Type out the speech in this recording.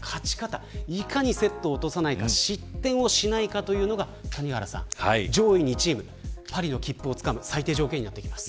いかにセットを落とさないか失点をしないかというのが上位２チーム、パリの切符をつかむ最低条件です。